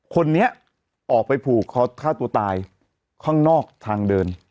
คนนี้ออกไปผูกคอฆ่าตัวตายข้างนอกทางเดิน